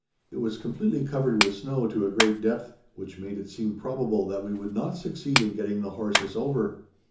It was completely covered with snow to a great depth, which made it seem probable that we would not succeed in getting the horses over.